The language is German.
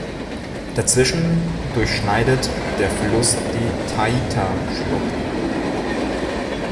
Dazwischen durchschneidet der Fluss die Taita-Schlucht.